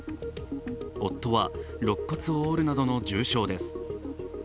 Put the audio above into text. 夫はろっ骨を折るなどの重傷です。